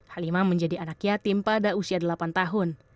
halimah menjadi anak yatim pada usia delapan tahun